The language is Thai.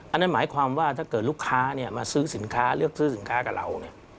อันนั้นหมายความว่าถ้าเกิดลูกค้ามาซื้อสินค้าเลือกซื้อสินค้ากับเรา